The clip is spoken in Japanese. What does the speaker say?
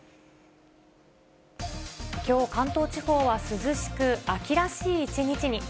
きょう、関東地方は涼しく、秋らしい一日に。